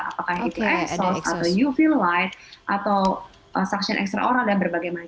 apakah itu excels atau uv light atau suction extraor dan berbagai macam